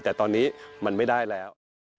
แต่ตอนนี้มันไม่ได้แล้ว